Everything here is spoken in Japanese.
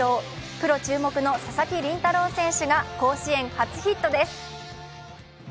プロ注目の佐々木麟太郎選手が甲子園初ヒットです。